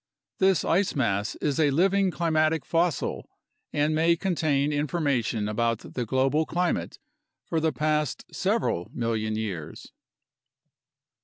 This ice mass is a living climatic fossil and may contain information about the global climate for the past several million years.